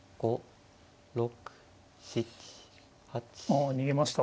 あ逃げました。